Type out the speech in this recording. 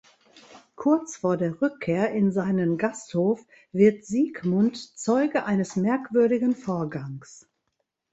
Kurz vor der Rückkehr in seinen Gasthof wird Siegmund Zeuge eines merkwürdigen Vorgangs.